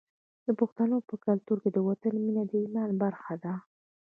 د پښتنو په کلتور کې د وطن مینه د ایمان برخه ده.